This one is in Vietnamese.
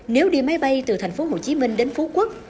nếu đi máy bay từ thành phố hồ chí minh đến phú quốc